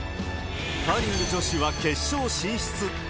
カーリング女子は決勝進出。